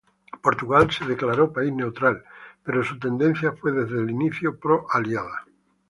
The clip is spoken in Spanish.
Portugal se declaró país neutral, pero su tendencia fue desde el inicio pro-aliada.